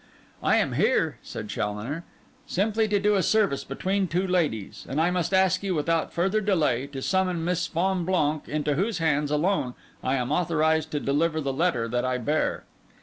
'I am here,' said Challoner, 'simply to do a service between two ladies; and I must ask you, without further delay, to summon Miss Fonblanque, into whose hands alone I am authorised to deliver the letter that I bear.